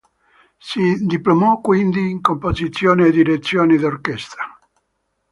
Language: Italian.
Si diplomò quindi in composizione e direzione d'orchestra.